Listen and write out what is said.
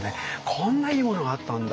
こんないいものがあったんだ！